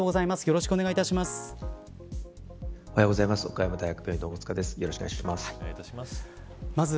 よろしくお願いします。